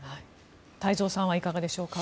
太蔵さんはいかがですか。